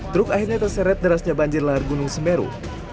truk akhirnya terseret derasnya banjir lahar gunung semeru